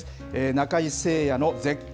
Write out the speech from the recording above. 中井精也の絶景！